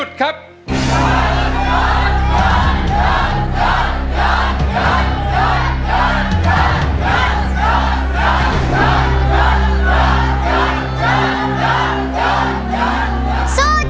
คุณยายแดงคะทำไมต้องซื้อลำโพงและเครื่องเสียง